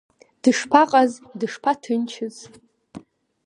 Дышԥаҟаз, дышԥаҭынчыз!